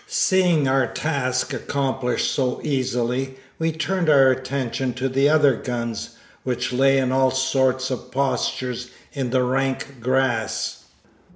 Seeing our task accomplished so easily, we turned our attention to the other guns, which lay in all sorts of postures in the rank grass.